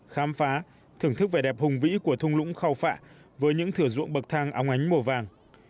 khám phá thưởng thức vẻ đẹp hùng vĩ của thung lũng khao phạ với những thử dụng bậc thang áo ngánh mùa vàng